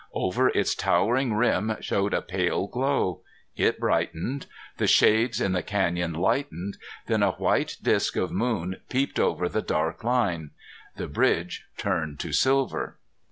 Over its towering rim showed a pale glow. It brightened. The shades in the canyon lightened, then a white disk of moon peeped over the dark line. The bridge turned to silver.